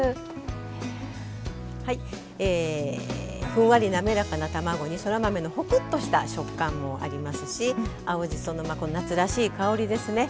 ふんわり滑らかな卵にそら豆のホクッとした食感もありますし青じその夏らしい香りですね。